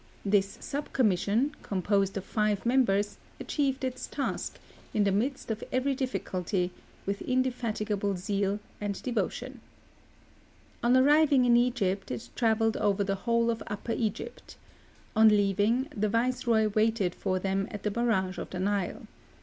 This sub commission, composed of five members, achieved its task, in the midst of every difficulty, with indefatigable zeal and devotion. On arriving in Egypt, it trav elled over the whole of Upper Egypt. On leaving, the Viceroy waited for them at the barrage of the Nile.